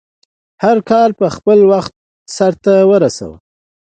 هرکار په خپل وخټ سرته ورسوی